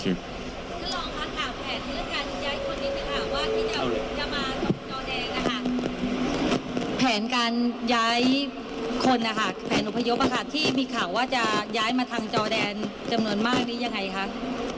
ขอบคุณครับ